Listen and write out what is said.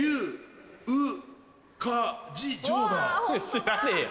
知らねえよ。